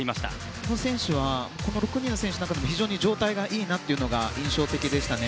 宇野選手はこの６人の選手の中でも非常に状態がいいのが印象的でしたね。